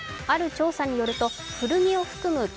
ある調査によると古着を含む